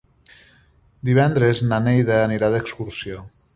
Divendres na Neida anirà d'excursió.